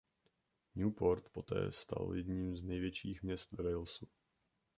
Newport poté stal jedním z největších měst ve Walesu.